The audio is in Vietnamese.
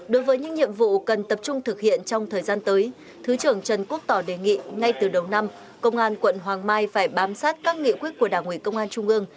đối với những nhiệm vụ cần tập trung thực hiện trong thời gian tới thứ trưởng trần quốc tỏ đề nghị ngay từ đầu năm công an quận hoàng mai phải bám sát các nghị quyết của đảng ủy công an trung ương